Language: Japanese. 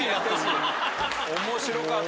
面白かった。